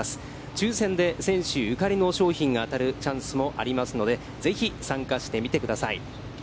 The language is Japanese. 抽せんで選手ゆかりの商品が当たるチャンスもありますのでぜひ参加してみてください。